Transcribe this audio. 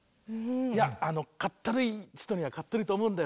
いやかったるい人にはかったるいと思うんだよ。